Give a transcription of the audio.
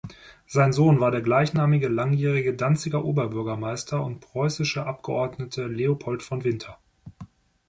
Sein Sohn war der gleichnamige langjährige Danziger Oberbürgermeister und preußische Abgeordnete Leopold von Winter.